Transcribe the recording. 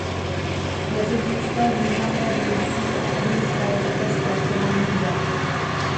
Jazyk získal významné využití v obchodní sféře ve zpracování dat.